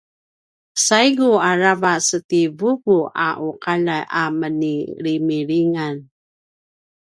saigu aravac ti vuvuaqaljay a menilimilingan